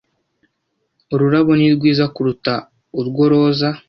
Ururabo ni rwiza kuruta urwo roza.